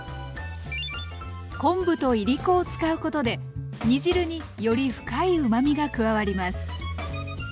昆布といりこを使うことで煮汁により深いうまみが加わります。